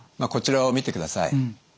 こちらを見てください。